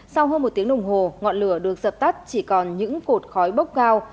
sau hơn một tiếng đồng hồ ngọn lửa được dập tắt chỉ còn những cột khói bốc cao